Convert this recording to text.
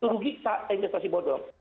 rugi saat investasi bodong